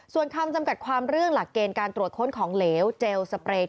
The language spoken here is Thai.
ส่วนคำจำกัดความเรื่องหลักเกณฑ์การตรวจค้นของเหลวเจลสเปรย์